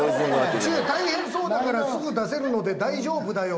「大変そうだからすぐ出せるので大丈夫だよ」